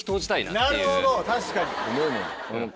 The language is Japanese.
なるほど確かに。